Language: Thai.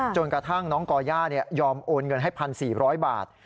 จนกระทั่งน้องก่อย่ายอมโอนเงินให้๑๔๐๐บาท